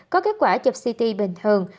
có kết quả chụp ct bình thường